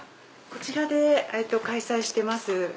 こちらで開催してます。